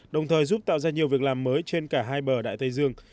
đồng thời giúp tạo ra nhiều việc làm mới trên cả hai bờ đại tây dương